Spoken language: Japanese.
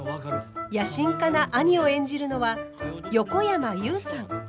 野心家な兄を演じるのは横山裕さん。